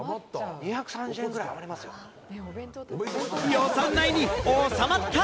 予算内に収まった！